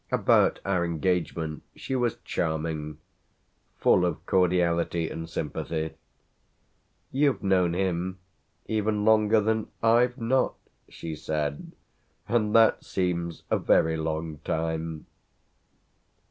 About our engagement she was charming full of cordiality and sympathy. "You've known him even longer than I've not?" she said, "and that seems a very long time."